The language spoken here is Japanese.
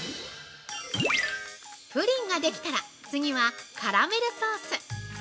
◆プリンができたら次はカラメルソース。